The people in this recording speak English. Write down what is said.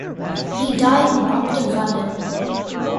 He died in Brompton, London.